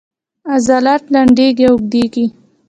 عضلات لنډیږي او اوږدیږي